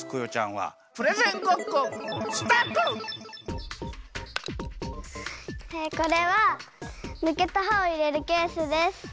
はいこれはぬけたはをいれるケースです。